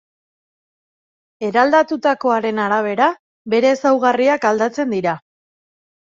Eraldatutakoaren arabera bere ezaugarriak aldatzen dira.